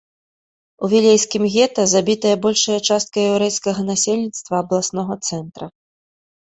У вілейскім гета забітая большая частка яўрэйскага насельніцтва абласнога цэнтра.